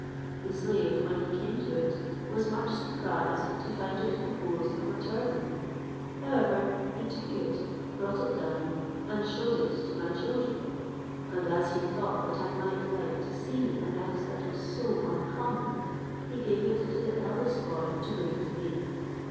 The slave, when he came to it, was much surprised to find it composed of a turban: however he took it, brought it down, and shewed it to my children; and as he thought that I might like to see a nest that was so uncommon, he gave it to the eldest boy to bring to me.